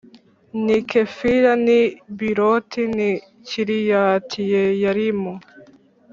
n i Kefira n i B roti n i Kiriyatiyeyarimu